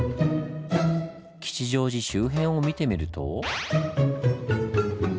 吉祥寺周辺を見てみると。